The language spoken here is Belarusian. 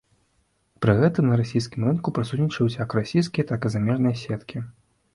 Пры гэтым на расійскім рынку прысутнічаюць як расійскія, так і замежныя сеткі.